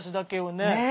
ねえ。